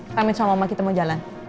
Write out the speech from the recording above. pamit sama mama kita mau jalan